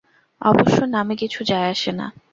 অবশ্য নামে কিছু যায়-আসে না।